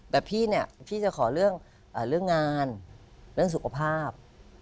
แต่พี่เนี่ยพี่จะขอเรื่องงานเรื่องสุขภาพ